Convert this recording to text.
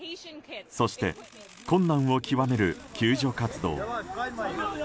そして、困難を極める救助活動。